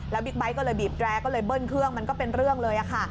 บิ๊กไบท์ก็เลยบีบแร้ก็เลยเบิ้ลเครื่องมันก็เป็นเรื่องเลยค่ะ